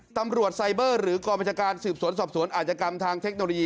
ตำรวจไซเบอร์หรือกองบัญชาการสืบสวนสอบสวนอาจกรรมทางเทคโนโลยี